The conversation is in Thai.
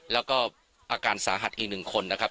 แล้วก็อาการสาหัสอีก๑คนนะครับ